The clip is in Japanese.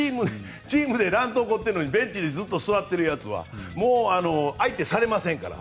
チームで乱闘起こってるのにベンチでずっと座ってるやつは相手されませんから。